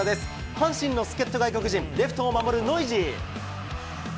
阪神の助っ人外国人、レフトを守るノイジー。